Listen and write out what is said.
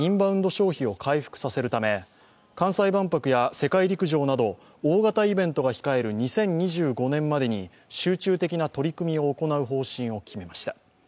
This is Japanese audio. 消費を回復させるため、関西万博や世界陸上など大型イベントが控える２０２５年までに集中的な取り組みを行う方針を決めました。